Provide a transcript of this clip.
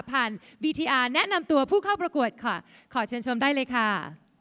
บีทีอาร์แนะนำตัวผู้เข้าประกวดค่ะขอเชิญชมได้เลยค่ะ